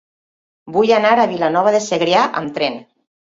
Vull anar a Vilanova de Segrià amb tren.